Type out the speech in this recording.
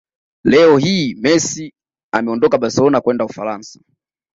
Leo hii Messi ameondoka barcelona kwenda Ufaransa